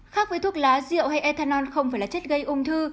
khác với thuốc lá rượu hay ethanol không phải là chất gây ung thư